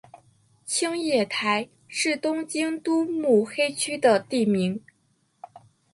青叶台是东京都目黑区的地名。